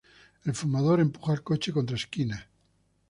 El fumador empuja el coche contra Skinner.